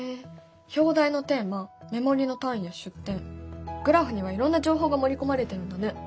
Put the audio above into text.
表題のテーマ目盛りの単位や出典グラフにはいろんな情報が盛り込まれてるんだね。